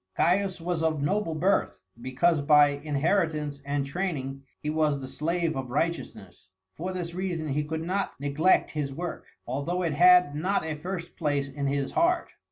Caius was of noble birth, because by inheritance and training he was the slave of righteousness. For this reason he could not neglect his work, although it had not a first place in his heart.